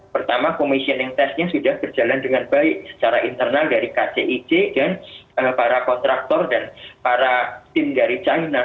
pertama commissioning testnya sudah berjalan dengan baik secara internal dari kcic dan para kontraktor dan para tim dari china